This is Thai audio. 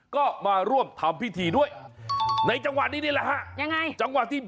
ก็มาร่วมทำพิธีด้วยในจังหวัดนี้ละฮะยังไง